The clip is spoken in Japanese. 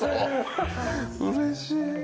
うれしい。